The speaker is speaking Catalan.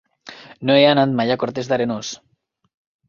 No he anat mai a Cortes d'Arenós.